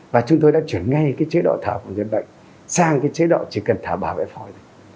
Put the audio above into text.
và chúng tôi đã chuyển ngay cái chế độ thở của người bệnh sang cái chế độ chỉ cần thả bảo vệ phổi